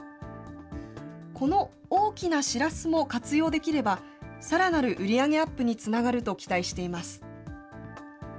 この大きなしらすも活用できれば、さらなる売り上げアップにつながると期待されています。